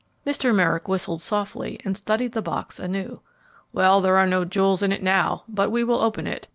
Mr. Merrick whistled softly and studied the box anew. "Well, there are no jewels in it now, but we will open it.